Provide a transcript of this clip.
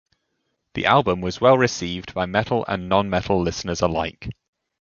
The album was well received by metal and non-metal listeners alike.